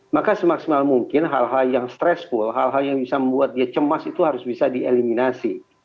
maka semaksimal mungkin hal hal yang stressful hal hal yang bisa membuat dia cemas itu harus bisa dieliminasi